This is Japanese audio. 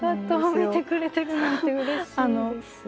見てくれてるなんてうれしいです。